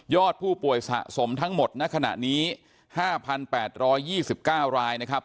ยอดผู้ป่วยสะสมทั้งหมดณขณะนี้ห้าพันแปดร้อยยี่สิบเก้ารายนะครับ